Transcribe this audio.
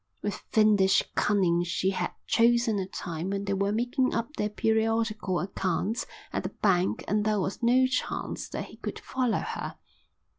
With fiendish cunning she had chosen a time when they were making up their periodical accounts at the bank and there was no chance that he could follow her.